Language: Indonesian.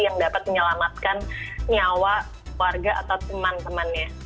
yang dapat menyelamatkan nyawa warga atau teman temannya